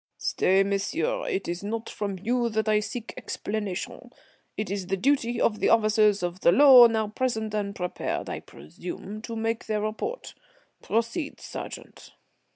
"Stay, monsieur, it is not from you that I seek explanation. It is the duty of the officers of the law now present, and prepared, I presume, to make their report. Proceed, sergeant."